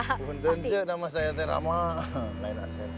bukan tenceng nama saya teh rama lain asep